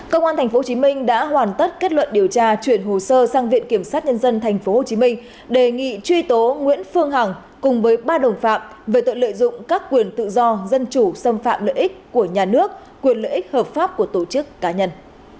công an tp hcm đã hoàn tất kết luận điều tra chuyển hồ sơ sang viện kiểm sát nhân dân tp hcm đề nghị truy tố nguyễn phương hằng cùng với ba đồng phạm về tội lợi dụng các quyền tự do dân chủ xâm phạm lợi ích của nhà nước quyền lợi ích hợp pháp của tổ chức cá nhân